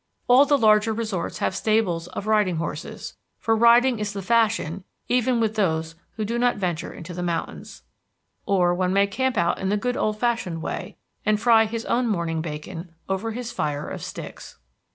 All the larger resorts have stables of riding horses, for riding is the fashion even with those who do not venture into the mountains. Or, one may camp out in the good old fashioned way, and fry his own morning bacon over his fire of sticks.